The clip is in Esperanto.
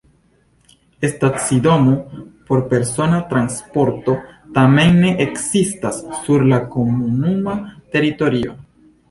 Stacidomo por persona transporto tamen ne ekzistas sur la komunuma teritorio.